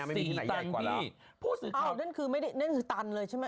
ไม่มีที่ไหนใหญ่กว่าแล้วพูดสิครับอ้าวนั่นคือตันเลยใช่ไหม